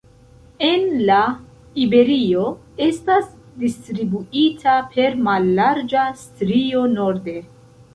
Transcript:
En la Iberio estas distribuita per mallarĝa strio norde.